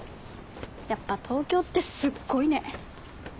やっぱ東京ってすっごいね。